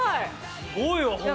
すごいわ本物。